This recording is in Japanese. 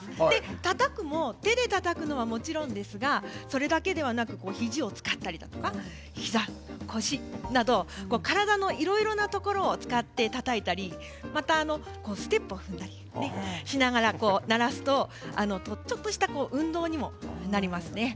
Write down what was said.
たたくのも手でたたくのはもちろんなんですが肘を使ったり、膝や腰など体のいろいろなところを使ってたたいたりまたステップを踏んだりしながら鳴らすとちょっとした運動にもなりますね。